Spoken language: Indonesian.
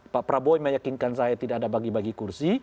pak prabowo meyakinkan saya tidak ada bagi bagi kursi